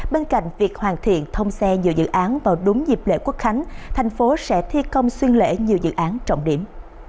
bên cạnh việc hoàn thiện thông xe nhiều dự án vào đúng dịp lễ quốc khánh thành phố sẽ thi công xuyên lễ nhiều dự án trọng điểm